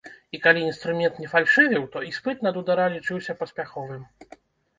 І калі інструмент не фальшывіў, то іспыт на дудара лічыўся паспяховым.